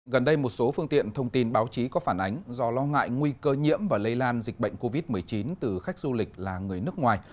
gần đây một số phương tiện thông tin báo chí có phản ánh do lo ngại nguy cơ nhiễm và lây lan dịch bệnh covid một mươi chín từ khách du lịch là người nước ngoài